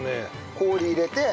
氷入れて。